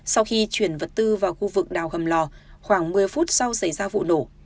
sau khi chuyển vật tư vào khu vực đào hầm lò khoảng một mươi phút sau xảy ra vụ nổ